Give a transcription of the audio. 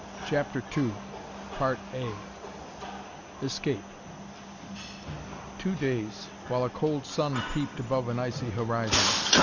CHAPTER II Escape Two days, while a cold sun peeped above an icy horizon!